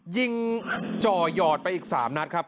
จ่อหยอดไปอีก๓นัดครับ